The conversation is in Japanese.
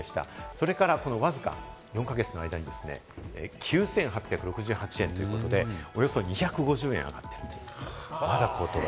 それからわずか４か月の間に９８６８円ということで、およそ２５０円上がっているんです。